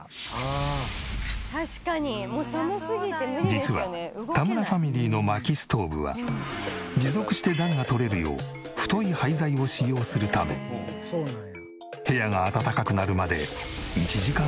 実は田村ファミリーの薪ストーブは持続して暖がとれるよう太い廃材を使用するため部屋が暖かくなるまで１時間かかる。